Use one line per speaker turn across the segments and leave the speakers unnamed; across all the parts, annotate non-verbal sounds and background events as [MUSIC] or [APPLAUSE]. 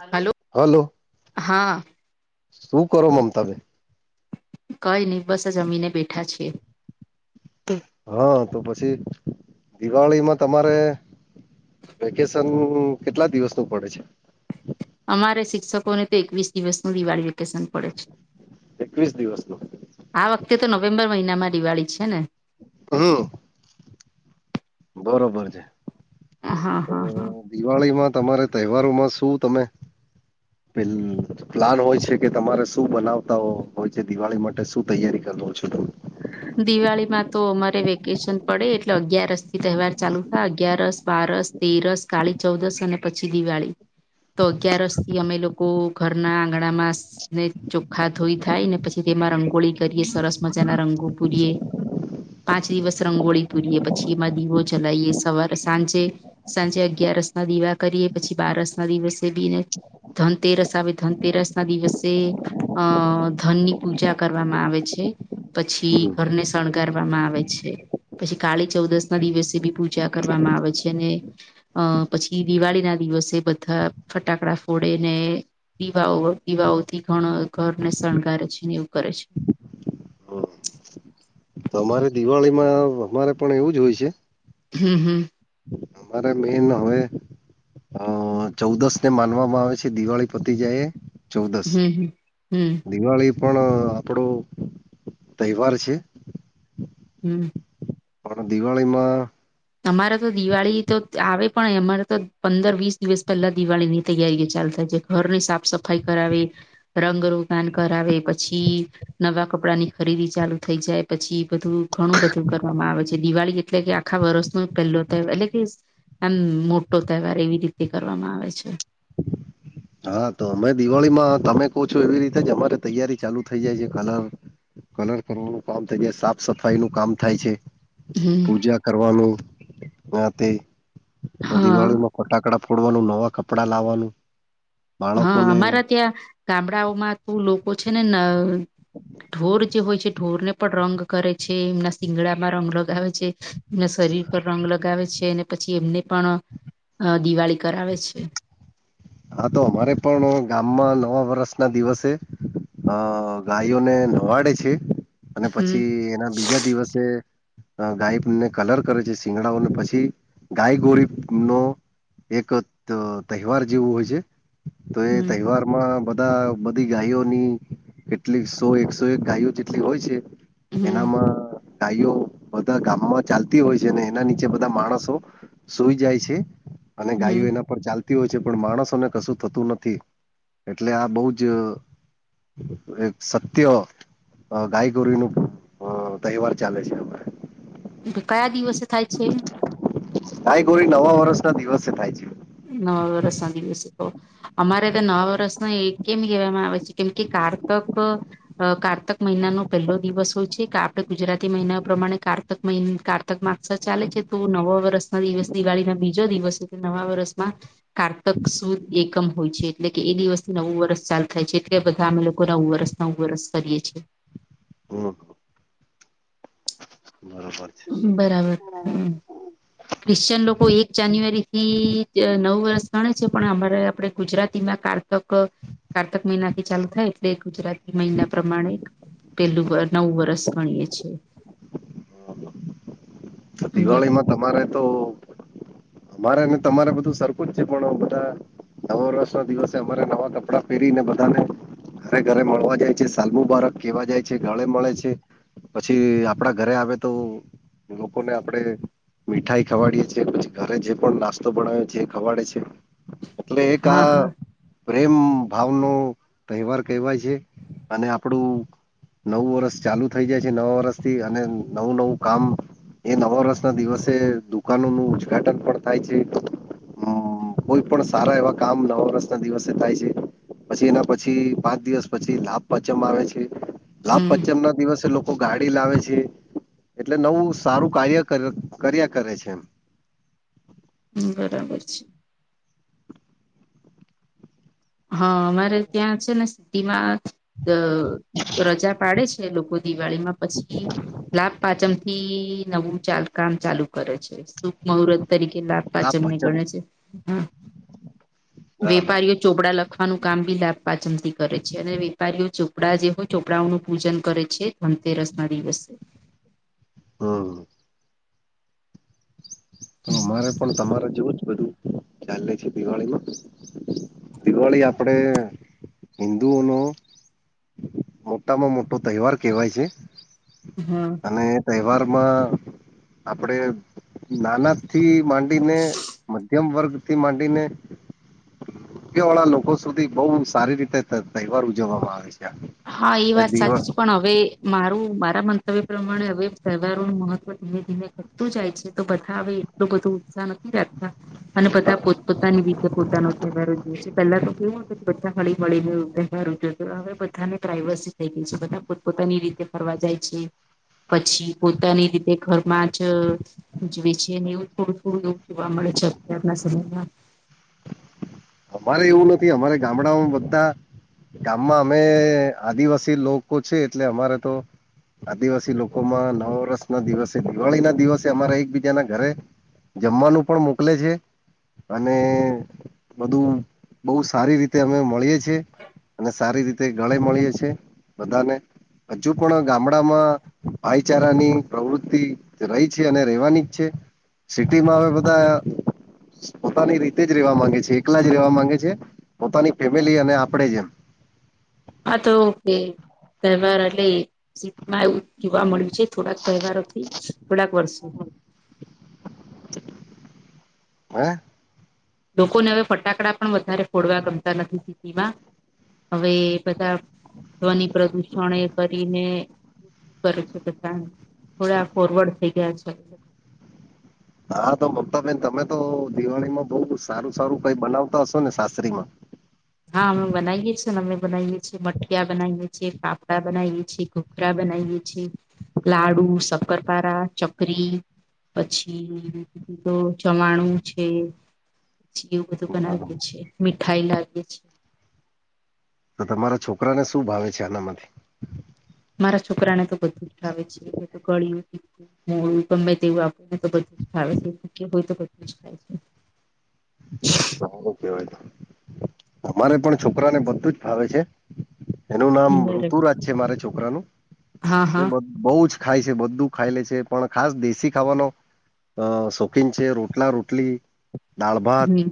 Hello. Hello,
હા
શું કરો મમતા બેન?
કઈ નહી બસ જમીને બેઠા છીએ.
હા, તો પછી દિવાળીમાં તમારે વેકેશન કેટલા દિવસ નું પડે છે.
અમારે શિક્ષકોને તો એકવીસ દિવસ નું દિવાળી વેકેશન પડે છે.
એકવીસ દિવસ નો.
આ વખતે તો નવેમ્બર મહિનામાં દિવાળી છે ને.
હમ. બરોબર છે.
હા
તો
હા હા
દિવાળીમાં તમારે તહેવારોમાં શું તમે પે પ્લાન હોય છે કે તમારે શું બનાવતા હોય છે દિવાળી માટે શું તૈયારી કરવો છો તમે?
દિવાળી માં તો અમારે વેકેશન પડે એટલે અગિયારસ થી તહેવાર ચાલુ થાય. અગયારસ, બારસ તેરસ, કાળી ચૌદસ અને પછી દિવાળી. તો અગિયારસ થી અમે લોકો ઘરના આંગણામાં ને ચોખા ધોઈ થાય ને પછી તેમાં રંગોળી કરીએ, સરસ મજાના રંગો પૂરીએ. પાંચ દિવસ રંગોળી પૂરીએ. પછી એમાં દીવો જલાઈએ સવારે સાંજે. સાંજે અગિયારસના દીવા કરીએ પછી બારસના દિવસે બીને ધનતેરસ આવે ધનતેરસના દિવસે અ ધનની પૂજા કરવામાં આવે છે. પછી
હમ
ઘરને શણગારવામાં છે. પછી કાળી ચૌદશના દિવસે બી પૂજા કરવામાં આવે છે. અને અ પછી દિવાળીના દિવસે બધા ફટાકડા ફોડે ને દિવાઓ દિવાઓથી ઘણો ઘરને શણગારે છે ને એવું કરે છે.
તમારે દિવાળી માં અમારે પણ એવું જ હોય છે.
હમ હમ.
મારે મેન હવે હ ચૌદશને માનવામાં આવે છે. દિવાળી પતી જાય એ ચૌદશ,
હમ હમ હમ
દિવાળી પણ આપણો તહેવાર છે.
હમ.
પણ દિવાળીમાં
અમારે તો દિવાળી તો આવે પણ અમારે તો પંદર વીસ દિવસ પહેલા દિવાળીની તૈયારીઓ ચાલુ થાય છે. ઘરની સાફ સફાઈ કરાવે, રંગરોગાન કરાવે, પછી નવા કપડાની ખરીદી ચાલુ થઈ જાય. પછી બધું ઘણું બધું કરવામાં આવે છે, દિવાળી એટલે કે આખા વરસ પહેલો તહેવાર એટલે કે આમ મોટો તહેવાર એવી રીતે કરવામાં આવે છે.
હા, તો અમે દિવાળીમાં તમે કહ છો એવી રીતે જ અમારી તૈયારી થઈ જાય છે. કલર કલર કરવાનું કામ થાય છે. સાફ સફાઈનું કામ થાય છે.
હમ
પૂજા કરવાનું આ તે ને
હા
દિવાળીમાં ફટાકડા ફોડવાનું, નવા કપડા લાવવાનું.
હા,
બાળકોને
અમારા ત્યાં ગામડાઓમાં ત લોકો છે ને ન ઢોર જે હોય છે, ઢોરને પણ રંગ કરે છે. એમના સિંગડામાં રંગ લગાવે છે. એમના શરીર પર રંગ લગાવે છે અને પછી એમને પણ અ દિવાળી કરાવે છે.
હા તો અમારે પણ ગામમાં નવા વર્ષના દિવસે અ ગયો ને નવાડે છે અને
હમ
એના બીજા દિવસે ગાયને કલર કરે છે શીંગડાઓને પછી ગાય [UNINTELLIGIBLE] એક તહેવાર જેવું હોય છે તો એ
હમ
તહેવારમાં બ બધી ગાયોની કેટલી સો એક સો એક ગાયો જેટલી હોય છે.
હમ
એનામાં ગાઈઓ બધા ચાલતી હોય છે અને નીચે બધા માણસો સુઈ જાય છે અને ગાયો
હમ
એના પર ચાલતી હોય છે. પણ માણસોને કશું થતું નથી એટલે આ બહુ જ એક સત્ય ગાય ગોરી ન હ તહેવાર ચાલે છે અમારે.
એલે [UNINTELLIGIBLE] કયા દિવસે થાય છે?
ગાયગોરી નવા વર્ષના દિવસે થાય છે.
નવા વર્ષના દિવસે [UNINTELLIGIBLE] અમારે તો નવા વર્ષનો એ કેમ કહેવામાં આવે છે કેમ કે કારતક અ કાર્તક મહિનાનો પહેલો દિવસ હોય છે કે આપણે ગુજરાતી મહિના પ્રમાણે કારત કારતક મહિ કારતક માસ ચાલે છે તો નવા વર્ષના દિવસ દિવાળીના બીજો દિવસ છે નવા વર્ષ માં કારતક સુદ એકમ હોય છે. કે એ નવું વર્ષ ચાલુ થાય છે. એટલે બધા અમે લોકો નવું વર્ષ નવુ વર્ષ કરીએ છીએ.
હમ બરોબર. છે
બરાબર હમ. ક્રિશ્ચિયન લોકો એક જાન્યુઆરીથી નવ વર્ષ ગણે છે, પણ અમારે આપણે ગુજરાતીમાં કારત કારતક મહિનાથી ચાલુ થાય એટલે ગુજરાતી મહિના પ્રમાણે પેહલું નવું વરસ ગણીએ છીએ. બરાબર
ગલીમાં તમારે તો અમારે, તમારે બધું સરખું જ છે. પણ બધા નવાવષૅના દિવસે અમારે નવા કપડા પહેરીને બધાને અને ઘરે મળવા જાય છે, સાલમુબારક કેવા જાય છે, ગળ મળે છે. પછી ઘરે આવે તો લોકોને આપણે મીઠાઈ ખવાડીએ છીએ. પછી ઘરે જે પણ નાસ્તો બનાવે છે, ખવાડે છે. તે
હા
કા
હા
પ્રેમ ભાવનો તહેવાર કહેવાય છે અને આપણું નવું વર્ષ ચાલુ થઇ જાય છે. નવા વર્ષથી અને નવું નવું કામ એ નવા વર્ષના દિવસે દુકાનોનું ઉદ્ઘાટન પણ થાય છે. હમ. કોઈ પણ સારા એવા કામ નવા વર્ષના દિવસે થાય છે. પછી, એના પછી પાંચ દિવસ, પછી લાભ પાંચમ આવે છે. લાભ
હમ
પાંચમના દિવસે લોકો ગાડી લાવે છે. એટલે નવું સારું કાર્ય કર્યા કરે છે એમ.
હમ બરાબર છે. હા, અમારે ત્યાં છે ને સિદ્ધીમાં અ રજા પાડે છે, લોકો દિવાળીમાં પછી લાભ પાંચમથી નવું ચાલ કામ ચાલુ કરે છે. શુભ મુહૂર્ત તરીકે લાભ પાચમને ગણે છે હ.
હા હા
વેપારીઓ ચોપડા લખવાનું કામ બી લાભપાંચમથી કરે છે. અને વેપારીઓ ચોપડા જે હોય, ચોપડાઓનું પૂજન કરે છે. ધનતેરસના દિવસે
હમ. તો અમારે પણ તમારે જેવું જ બધું ચાલે છે. દિવાળીમાં દિવાળી આપણે હિંદુઓનો મોટામાં મોટો તહેવાર કહેવાય છે.
હમ.
અને તહેવારમાં આપણેે નાના થી માં ને મધ્યમ વર્ગથી માંડીને રૂપિયા વાળા લોકો સુધી બહુ સારી રીતે તહેવાર ઉજવવામાં આવે છે.
હા, એ વાત સાચી છે. પણ હ હવે, મારું મારા મંતવ્ય પ્રમાણે હવે, તહેવારોનું મહત્વ ધીમે ધીમે જાય છે, તો બધા હવે, એટલો બધો ઉત્સાહ નથી રાખતા અને બધા પોત પોતાની રીતે પોતાનો તહેવારો ઉજવે છે. પહેલા તો કેવું હતો કે બધા હળી મળીનો તહેવાર ઉજવતા હવે બધાને પ્રાઇવસી થઈ ગઈ છે. બધા પોતપોતાની રીતે ફરવા જાય છે. પછી પોતાની રીતે ઘરમાં જ ઉજવે છે અને એવું થોડું થોડું એવું જોવા મળે છે. અત્યારના સમયમાં
અમારે એવું નથી. અમારે ગામડાઓમાં બધા ગામમાં અમે આદિવાસી લોકો છે એટલે અમારે તો આદિવાસી લોકોમાં નવા વર્ષના દિવસે, દિવાળીના દિવસે અમારા એકબીજાના ઘરે જમવાનું પણ મોકલે છે અને બધું બઉુ સારી રીતે અમે મળીએે છીએ. અને સારી રીતે ગળે મળીએ છે. બધાને હજુ પણ ગામડામાં ભાઈચારાની પ્રવૃતિ રહી છે અને રહેેવાની જ છે. સિટીમાં હવે, બધા પોતાની રીતે જ રહેવા માંગે છે. એકલા જ રહેવા માંગે છે પોતાની ફેમિલી અને આપણે જેમ.
આ તો ઓકે. તહેવાર એટલે સિટીમાં એવું જ જોવા મળ્યું છે થોડાક તહેવારોથી. થોડાક વર્ષો
હા
લોકોને હવે ફટાકડા પણ વધારે ફોડવા ગમતા નથી સિટીમાં. હવે બધા ધ્વનિ પ્રદૂષણ એ કરીને. શું કરે છે, બધા થોડા ફોરવર્ડ થઈ ગયા છે.
હા તો મમતાબેન, તમે તો દિવાળીમાં બહુ સારું સારું કંઈ બનાવતા હશો ને, સાસરીમાં
હા અમે બનાઇએ છેને અમે બનાઉં એ છે મઠિયા બનાઈ એ છે ફાફડા બનાઈ એ છે ઘુ ખાખરા બનાવીએ છીએ, લાડુ, શક્કરપારા, ચકરી. પછી તો ચવાણું છે. એવું બધું બનાવીએ છીએ, મીઠાઈ લાવીએ છીએ.
તો તમારા છોક છોકરાને શું ભાવે છે આનામાંથી?
મારા છોકરાને તો બધું જ ભાવે છે, તો ગળિયું. હું ગમે તેવું આપે ને તો બધું જ ખાય છે, હોય તો બધું જ ખાય છે.
સારુ કહેવાય, અમારે પણ છોકરાને બધું જ ભાવે છે. એનું નામ
છે બરે
ઋતુરાજ છે મારા છોકરાનું,
હા
એ
હા
બધું. બઉ જ ખાય છે, બધું ખાઈ લે છે, પણ ખાસ દેશી ખાવાનું. અ, શોખીન છે રોટલા-રોટલી. દાળ ભાત
હમ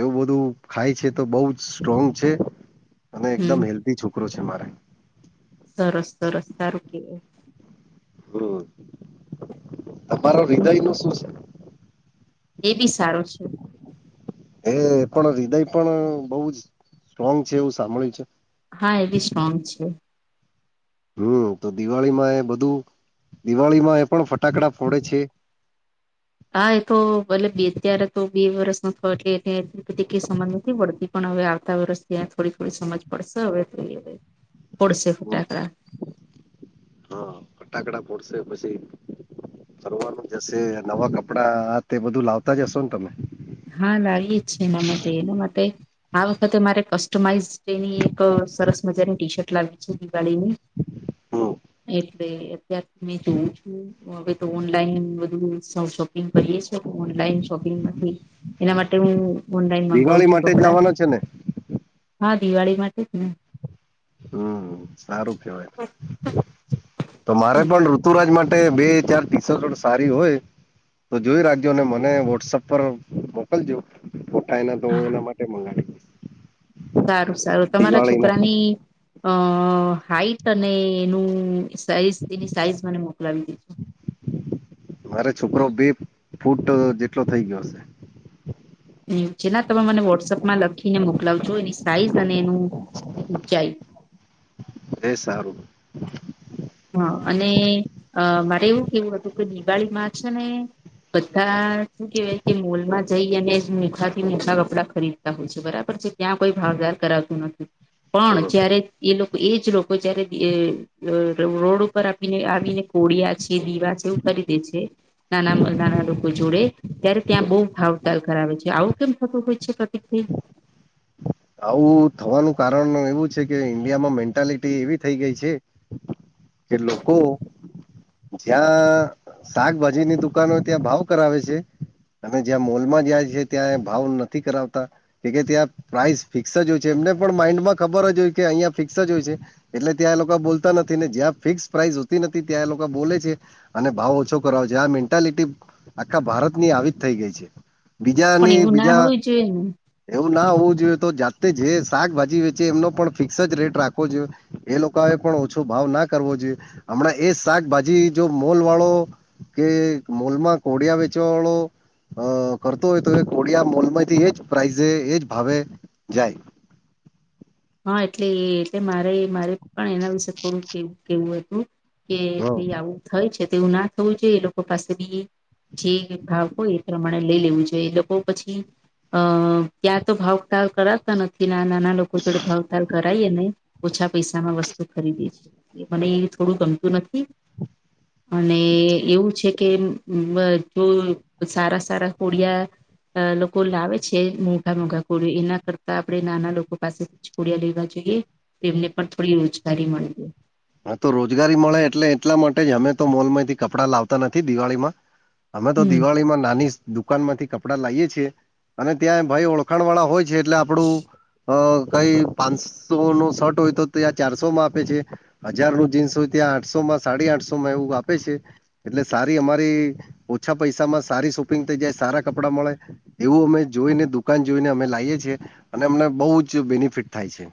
એવું બધું ખાય છે, તો બઉ જ સ્ટ્રોંગ છે. અને
હમ
એકદમ હેલ્ધી છોકરો છે મારો.
સરસ સરસ સારું કેવાય
હં તમારા હૃદયનું શું છે?
એ બી સારું છે.
એ પણ હૃદય પણ બઉ જ સ્ટ્રોંગ છે એવું સાંભળ્યું છે.
હા, એ બી સ્ટ્રોંગ છે.
હમ્મ, તો દિવાળીમાં એ બધું, દિવાળીમાં એ પણ ફટાકડા ફોડે છે.
હા, એ તો ભલે બે અત્યારે તો બે વરસનો થયો એટલે એને એટલી બધી કંઈ સમજ નથી પડતી. પણ હવે આવતા વરસથી આ થોડી થોડી સમજ પડશે અવે જોઈએ
હા
ફોડશે ફટાકડા
હં, ફટાકડા ફોડશે પછી ફરવાનું જશે, નવા કપડાં આ તે બધું લાવતા જ હશો ને તમે
હા, લાઈએ જ છે એના માટે એના માટે આ વખતે મારે કસ્ટમાઈઝ એની એક સરસ મજાની ટી-શર્ટ લાવવી છે દિવાળીની
હમ
એક [UNINTELLIGIBLE] અત્યારે તો મેં જોવ છું હવે તો ઓનલાઈન બધું [UNINTELLIGIBLE] [UNINTELLIGIBLE] કરીએ છે ઓનલાઈન શોપિંગમાંથી એના માટે હું ઓનલાઈન
દિવાળી
મંગાવું છું
માટે જ
કપડાં
લાવવાનો છે ને
હા દિવાળી માટે જ ને
હં, સારું કેવાય, તમારે પણ ઋતુરાજ માટ ટે બે ચાર ટી શર્ટો સારી હોય તો જોઈ રાખજો અને મને વોટ્સઅપ પર મોકલજો ફોટા એના તો એના માટે મંગાવીશ
સારું સારું, તમારા
ના
છોકરાની અ હાઈટ અને એનું સાઈઝ એની સાઈઝ મને મોકલાવી દેજો.
મારે છોકરો બે ફૂટ જેટલો થઈ ગ્યો હશે
અ ચેલા તમે મને વોટ્સઅપમાં લખીને મોકલાવજો એની સાઈઝ અને એનુ ઊંચાઈ
એ સારું,
હા અને અ મારે એવું કેવું હતું કે દિવાળી માં છે ને, બધા [INAUDIBLE] કે મોલમાં જઈ અને [INAUDIBLE] થી [INAUDIBLE] કપડાં ખરીદ [INAUDIBLE] બરાબર છે ત્યાં કોઈ ભાવદાર કરાવતું નથી, પણ
હમ
જયારે એ લોકો એ જ લોકો જ્યારે રોડ ઉપર આપીને આવીને કોળિયા છે દીવા છે એવું ખરીદે છે. નાના [UNINTELLIGIBLE] લોકો જોડે ત્યારે ત્યાં
હમ.
બઉુ ભાવતાલ કરાવે છે આવું કેમ થતું હોય છે પ્રતિકભાઈ
આવું થવાનું કારણ એવું છે કે ઈન્ડિયામાં મેન્ટાલિટી એવી થઈ ગઈ છે. કે લોકો જ્યાં શાકભાજીની દુકાનો ત્યાં ભાવ કરાવે છે. તમે જ્યાં મોલમાં જયા છે ત્યાં ભાવ નથી કરાવતા કે ત્યાં પ્રાઈઝ ફિક્સ જ હોય છે એમને પણ માઇન્ડ માં ખબર જ હોય કે અહીંયા ફિક્સ જ હોય છે. એટલે ત્યાં એ લોકો બોલતા નથી ને જ્યાં ફિક્સ પ્રાઇસ હોતી નથી ત્યાં એ લોકો બોલે છે. અને ભાવ ઓછો કરાવ છે આ મેન્ટાલિટી આખા ભારત ની આવી જ થઈ ગઈ છે.
પણ
બીજાની
એવું ના
બીજા
હોવું જોઈએ ને
એવું ના હોવું જોઈએ તો જાતે જે શાકભાજી વેચે એમનો પણ ફિક્સ જ રેટ રાખવો જોઈએ, એ લોકો એ પણ ઓછો ભાવ ના કરવો જોઈએ હમણાં એ શાકભાજી જો મોલ વાળો કે મોલમાં કોડિયા વેચવા વાળો, અ કરતો હોય તો એ કોડિયા મોલ માંથી એજ પ્રાઇઝે એજ ભાવે જાય
હા એટલે એ એટલે મારે મારે પણ એના વિશે થોડું કેવું હતું. કે
હા
ભાઈ આવું થઈ છે તો એવું ના થવું જોઈએ એ લોકો પાસે બી જે ભાવ હોય એ પ્રમાણે લઈ લેવું જોઈએ એ લોકો પછી અ ત્યાં તો ભાવતાાલ કરાતા નથી નાના લોકો જોડે ભાવતાલ કરાયએ ને ઓછા પૈસામાં વસ્તુ ખરીદીે છે મને એ થોડું ગમતું નથી, અને એવું છે કે બધું સારા સારા કોડિયા, અ લોકો લાવે છે મોટા મોઘા કોળી એના કરતા આપણે નાના લોકો પાસે [UNINTELLIGIBLE] લેવા જોઈએ તેમને પણ થોડી રોજગારી મળી
હા તો રોજગારી મળે એટલે એટલા માટે જ અમે તો મોલ માંથી કપડાં લાવતા નથી દિવાળીમાં અમે તો
હમ
દિવાળીમાં નાની દુકાન માંથી કપડા લાઈએ છીએ અને ત્યાં ભાઈ ઓળ ઓળખાણ વાળા હોય છે એટલે આપણું અ કઈ પાંચસોનો શર્ટ હોય તો ત્યાં ચારસોમાં આપે છે. હજારનું જીન્સ હોય ત્યાં આઠસો માં સાડી આઠસો માં એવું આપે છે. એટલે સારી અમારી ઓછા પૈસામાં સારી સોપિંગ થઈ જાય સારા કપડાં મળે એવું અમે જોઈને દુકાન જોઈને અમે લાઈએ છે. અને અમને બહુ જ બેનિફિટ થાય છે.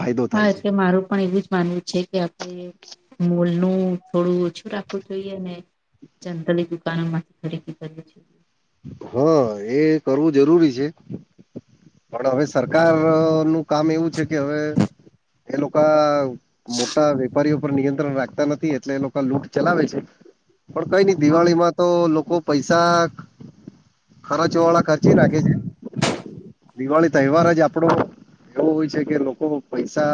ફાયદો થાય
હા
છે
એટલે મારું પણ એવું જ માનવું છેક ત્યાંથી મુલનું થોડું ઓછું રાખવું જોઈએ ને [UNINTELLIGIBLE] દુકાનો માંથી ખરીદી [UNINTELLIGIBLE]
હ એ કરવું જરૂરી છે. પણ હવે સરકારનું કામ એવું છે કે હવે એ લોકા મોટા વેપારીઓ પર નિયંત્રણ રાખતા નથી એટલે એ લોકો લૂંટ ચલાવે છે. પણ કઈ નઈ
હા
દિવાળીમાં તો લોકો પૈસા ખર્ચવા વાળા ખર્ચી નાખે છે.
[INAUDIBLE]
દિવાળી તહેવાર જ આપડો એવો હોય છે કે લોકો પૈસા